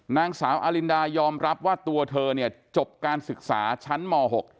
นางสาวอลินดายอมรับว่าตัวเธอเนี่ยจบการศึกษาชั้นม๖